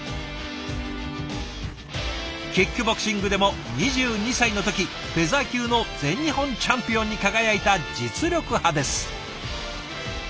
キックボクシングでも２２歳の時フェザー級の全日本チャンピオンに輝いた実力派です。